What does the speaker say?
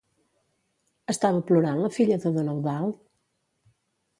Estava plorant la filla de don Eudald?